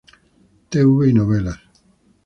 Tv y Novelas